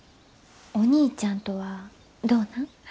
お兄ちゃんとはどうなん？